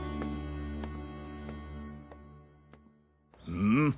うん？